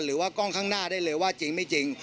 หรือว่ากล้องข้างหน้าได้เลยว่าจริงไม่จริง